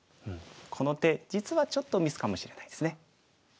この手実はちょっとミスかもしれないですね。